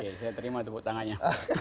oke oke oke saya terima tepuk tangannya